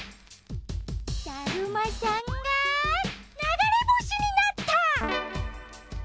だるまさんがながれぼしになった！